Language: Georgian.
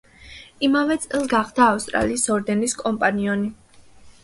იმავე წელს გახდა ავსტრალიის ორდენის კომპანიონი.